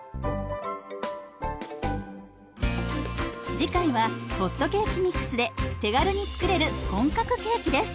次回はホットケーキミックスで手軽に作れる本格ケーキです。